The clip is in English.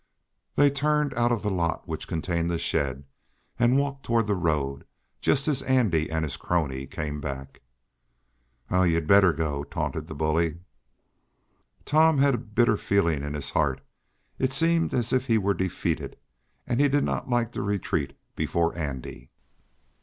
They turned out of the lot which contained the shed, and walked toward the road, just as Andy and his crony came back. "Huh! You'd better go!" taunted the bully. Tom had a bitter feeling in his heart. It seemed as if he was defeated, and he did not like to retreat before Andy.